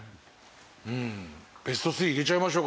うんベストスリー入れちゃいましょうかね。